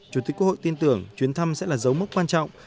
chủ tịch quốc hội tin tưởng chuyến thăm sẽ là dấu mốc quan trọng